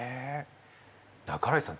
半井さん